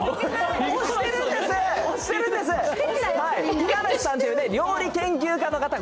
五十嵐さんという料理研究家が？